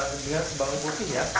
tetap dengan bawang putih ya